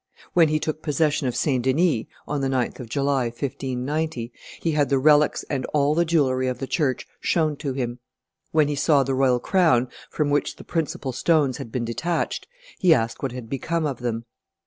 When he took possession of St. Denis [on the 9th of July, 1590], he had the relics and all the jewelry of the church shown to him. When he saw the royal crown, from which the principal stones had been detached, he asked what had become of them.